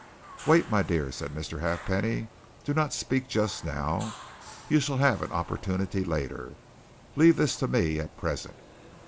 "Wait, my dear," said Mr. Halfpenny. "Do not speak just now you shall have an opportunity later leave this to me at present.